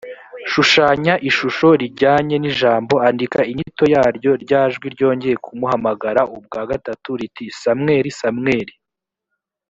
shushanya ishusho rijyanye n ijambo andika inyito yaryo rya jwi ryongeye kumuhamagara ubwa gatatu riti samweli samweli